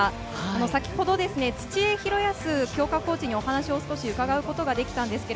先ほど土江寛裕強化コーチにお話を伺うことができました。